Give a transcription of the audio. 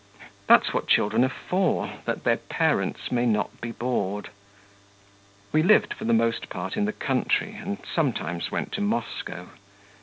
That's what children are for that their parents may not be bored. We lived for the most part in the country, and sometimes went to Moscow.